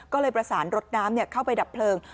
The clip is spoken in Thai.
ก็เลยประสานรถน้ำเข้าไปดับเพลิง